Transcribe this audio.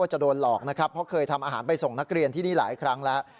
จะโดนหลอกนะครับเพราะเคยทำอาหารไปส่งนักเรียนที่นี่หลายครั้งแล้ว